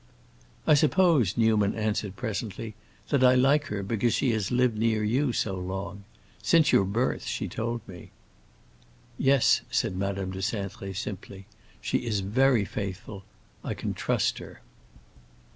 "I suppose," Newman answered presently, "that I like her because she has lived near you so long. Since your birth, she told me." "Yes," said Madame de Cintré, simply; "she is very faithful; I can trust her."